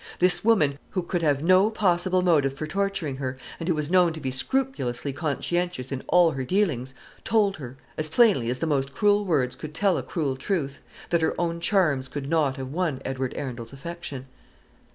This woman, who could have no possible motive for torturing her, and who was known to be scrupulously conscientious in all her dealings, told her, as plainly as the most cruel words could tell a cruel truth, that her own charms could not have won Edward Arundel's affection.